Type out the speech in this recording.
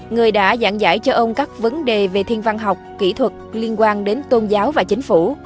người đã giảng giải cho ông các vấn đề về thiên văn học kỹ thuật liên quan đến tôn giáo và chính phủ